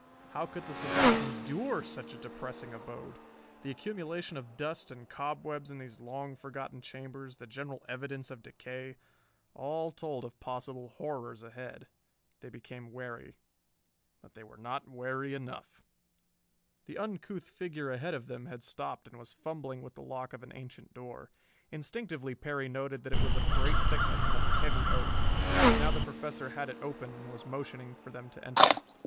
How could the savant endure such a depressing abode! The accumulation of dust and cobwebs in these long forgotten chambers, the general evidence of decay all told of possible horrors ahead. They became wary. But they were not wary enough! The uncouth figure ahead of them had stopped and was fumbling with the lock of an ancient door. Instinctively Perry noted that it was of great thickness and of heavy oak. Now the Professor had it open and was motioning for them to enter.